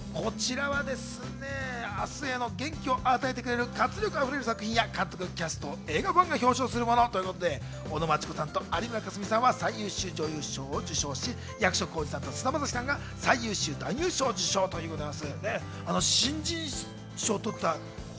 こちらはですね、明日への元気を与えてくれる活力溢れる作品や監督、キャストを映画ファンが表彰するものということで、尾野真千子さんと有村架純さんは最優秀女優賞を受賞し、役所広司さんと菅田将暉さんが最優秀男優賞を授賞したということです。